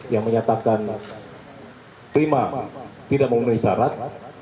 yang menyatakan prima tidak memenuhi syarat